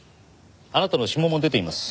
あなたの指紋も出ています。